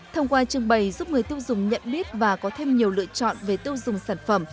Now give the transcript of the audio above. thông qua trưng bày giúp người tiêu dùng nhận biết và có thêm nhiều lựa chọn về tiêu dùng sản phẩm